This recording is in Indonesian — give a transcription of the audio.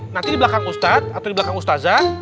nanti di belakang ustadz atau di belakang ustazah